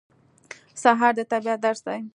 سهار د طبیعت درس دی.